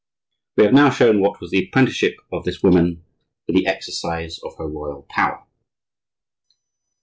We have now shown what was the apprenticeship of this woman for the exercise of her royal power.